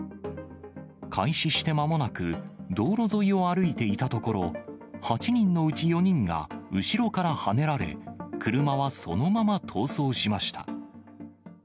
開始してまもなく、道路沿いを歩いていたところ、８人のうち４人が後ろからはねられ、車はそのまま逃走しました。